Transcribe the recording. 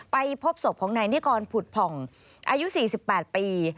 ไปพบศพของนายนิกรผุดผ่องอายุ๔๘ปี